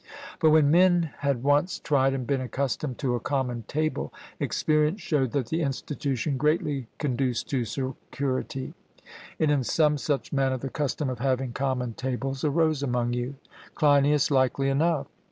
But when men had once tried and been accustomed to a common table, experience showed that the institution greatly conduced to security; and in some such manner the custom of having common tables arose among you. CLEINIAS: Likely enough.